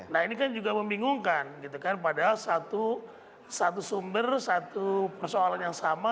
nah ini kan juga membingungkan gitu kan padahal satu sumber satu persoalan yang sama